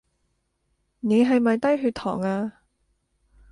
你係咪低血糖呀？